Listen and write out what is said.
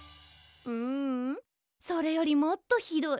ううんそれよりもっとひどい。